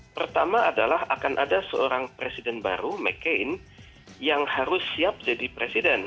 pertama adalah akan ada seorang presiden baru mccain yang harus siap jadi presiden